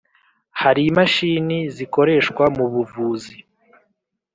Har’ imashini zikoreshwa mu buvuzi